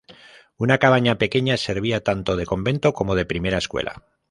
Una cabaña pequeña servía tanto de convento como de primera escuela.